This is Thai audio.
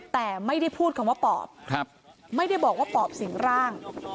แต่ไม่ได้พูดคำว่าปอบไม่ได้บอกว่าปอบสิงร่าง